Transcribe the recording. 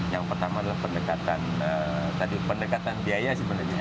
yang pertama adalah pendekatan biaya sebenarnya